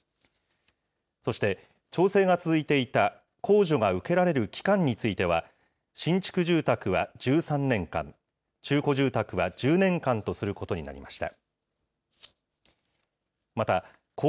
そして、調整が続いていた控除が受けられる期間については、新築住宅は１３年間、中古住宅は１０年間とすることになりました。